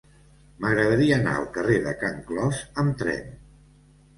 M'agradaria anar al carrer de Can Clos amb tren.